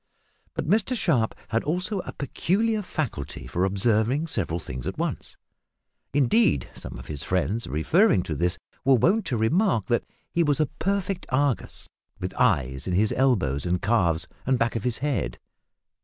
But Mr Sharp had also a peculiar faculty for observing several things at once. Indeed, some of his friends, referring to this, were wont to remark that he was a perfect Argus, with eyes in his elbows and calves and back of his head.